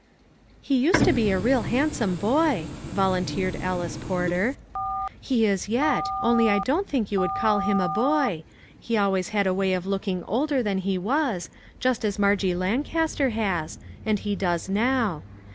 " He used to be a real handsome boy," vol unteered Alice Porter. " He is yet ; only I don't think you would call him a boy ; he always had a way of looking older than he was, just as Margie Lancaster has, and he does now.